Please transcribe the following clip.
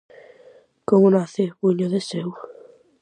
Como nace "Buño de seu"?